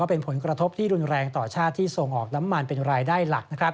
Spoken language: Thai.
เป็นผลกระทบที่รุนแรงต่อชาติที่ส่งออกน้ำมันเป็นรายได้หลัก